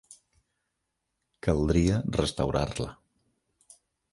Caldria restaurar-la.